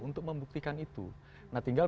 untuk membuktikan itu nah tinggal